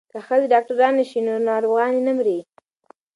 که ښځې ډاکټرانې شي نو ناروغانې نه مري.